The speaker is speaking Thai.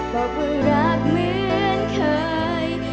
บอกว่ารักเหมือนเคย